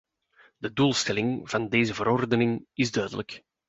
De doelstelling van deze verordening is duidelijk.